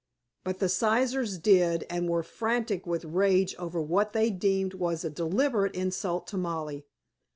But the Sizers did, and were frantic with rage over what they deemed was a deliberate insult to Molly.